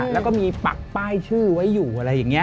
แล้วก็มีปักป้ายชื่อไว้อยู่อะไรอย่างนี้